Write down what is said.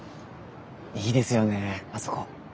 いいですよねあそこ。